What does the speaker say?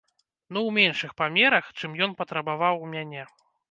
Ну ў меншых памерах, чым ён патрабаваў у мяне.